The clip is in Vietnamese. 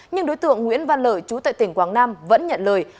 nhưng đối tượng nguyễn văn lợi chú tại tỉnh quảng nam vẫn nhận lời